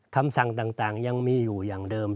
คำสั่งต่างยังมีอยู่อย่างเดิม